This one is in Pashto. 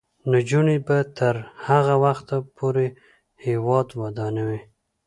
نجونې به تر هغه وخته پورې هیواد ودانوي.